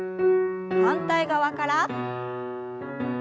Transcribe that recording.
反対側から。